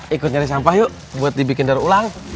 ikut nyari sampah yuk buat dibikin daur ulang